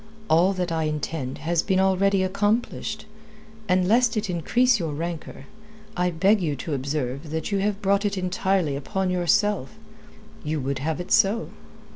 "All that I intend has been already accomplished. And lest it increase your rancour, I beg you to observe that you have brought it entirely upon yourself. You would have it so."